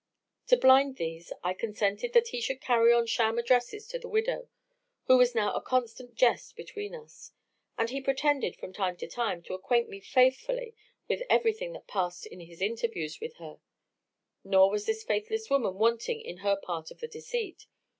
To blind these, I consented that he should carry on sham addresses to the widow, who was now a constant jest between us; and he pretended from time to time to acquaint me faithfully with everything that past at his interviews with her; nor was this faithless woman wanting in her part of the deceit.